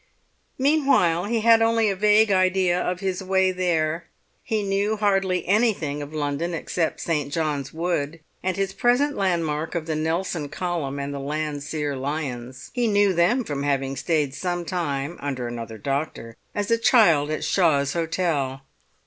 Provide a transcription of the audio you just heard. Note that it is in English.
Meanwhile he had only a vague idea of his way there; he knew hardly anything of London except St. John's Wood and his present landmark of the Nelson column and the Landseer lions. He knew them from having stayed some time (under another doctor) as a child at Shaw's Hotel.